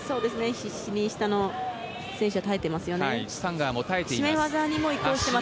必死に下の選手は耐えていますね。